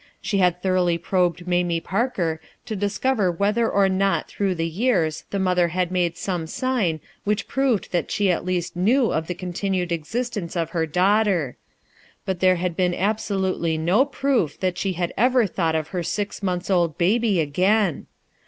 ALONE 245 She had thoroughly probed Mamio Parker to discover whether or not through the years tho mother had made some sign which proved that ehc at least knew of Ihc continued existence of her daughter; but there had been absolutely no proof that she had ever thought of her six months' old baby again!